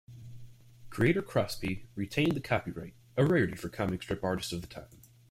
Creator Crosby retained the copyright, a rarity for comic strip artists of the time.